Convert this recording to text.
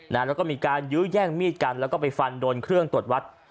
แล้วก็มีการยื้อแย่งมีดกันแล้วก็ไปฟันโดนเครื่องตรวจวัด